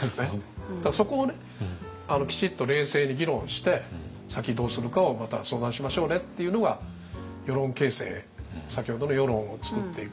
だからそこをねきちっと冷静に議論して先どうするかをまた相談しましょうねっていうのが輿論形成先ほどの輿論を作っていくプロセスだと思うんですよね。